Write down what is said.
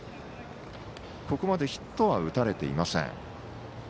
ここまでヒットは打たれていません。